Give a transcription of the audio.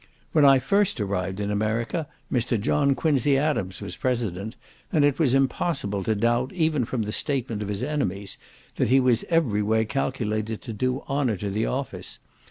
When I first arrived in America Mr. John Quincy Adams was President, and it was impossible to doubt, even from the statement of his enemies, that he was every way calculated to do honour to the office.